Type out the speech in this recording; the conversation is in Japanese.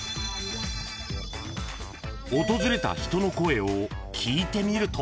［訪れた人の声を聞いてみると］